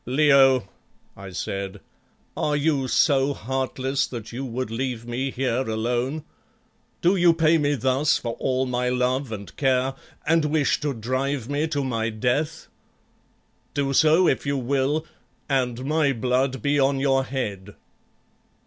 "Leo," I said, "are you so heartless that you would leave me here alone? Do you pay me thus for all my love and care, and wish to drive me to my death? Do so if you will, and my blood be on your head."